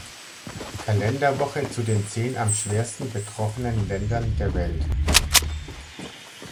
Kalenderwoche zu den zehn am schwersten betroffenen Ländern der Welt.